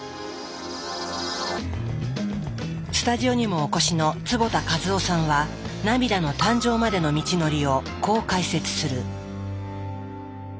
スタジオにもお越しの坪田一男さんは涙の誕生までの道のりをこう解説する。